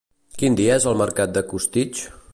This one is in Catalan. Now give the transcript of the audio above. Quin dia és el mercat de Costitx?